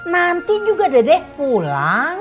nanti juga dede pulang